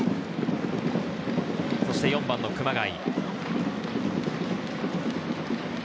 そして、４番・熊谷。